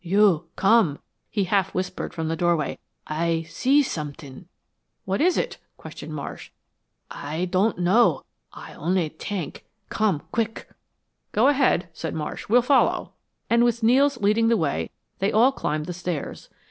"You come," he half whispered, from the doorway. "Aye see somet'ing." "What is it?" questioned Marsh. "Aye don't know Aye only tenk come quick!" "Go ahead," said Marsh, "we'll follow," and with Nels leading the way they all climbed the stairs.